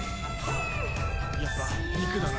やっぱ肉だな。